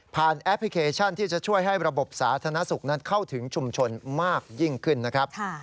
แอปพลิเคชันที่จะช่วยให้ระบบสาธารณสุขนั้นเข้าถึงชุมชนมากยิ่งขึ้นนะครับ